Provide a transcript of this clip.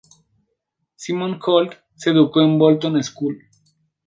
Simon Holt se educó en Bolton School.